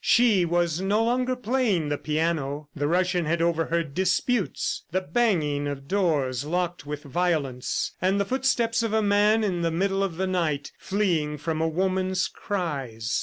She was no longer playing the piano. The Russian had overheard disputes, the banging of doors locked with violence, and the footsteps of a man in the middle of the night, fleeing from a woman's cries.